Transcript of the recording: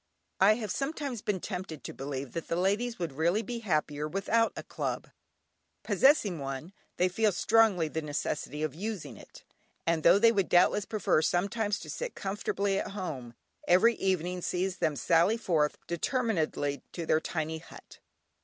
I have sometimes been tempted to believe that the ladies would really be happier without a club; possessing one, they feel strongly the necessity of using it, and though they would doubtless prefer sometimes to sit comfortably at home, every evening sees them sally forth determinedly to their tiny hut.